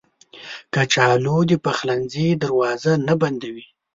کچالو د پخلنځي دروازه نه بندوي